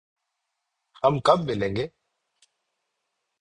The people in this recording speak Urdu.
ہم کب ملیں گے؟